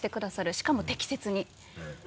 しかも適切に。